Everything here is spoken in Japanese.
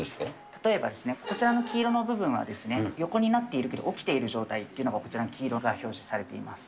例えば、こちらの黄色の部分は、横になってるけど起きている状態というのがこちらの黄色が表示されています。